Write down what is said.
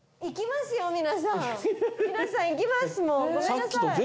行きますよ！